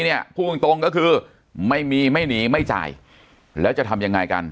เนี่ยพูดตรงตรงก็คือไม่มีไม่หนีไม่จ่ายแล้วจะทำยังไงกัน